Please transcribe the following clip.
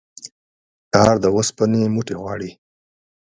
کار د اوسپني موټي غواړي